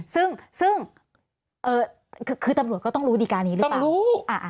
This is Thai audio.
ซึ่งคือตำรวจก็ต้องรู้ดีการนี้หรือเปล่า